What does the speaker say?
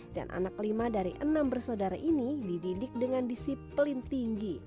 dan anak kelima dari enam bersaudara ini dididik dengan disiplin tinggi